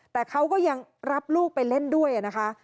แต่เขาก็ยังรับลูกไปเล่นด้วยนะคะ